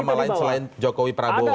nama lain selain jokowi prabowo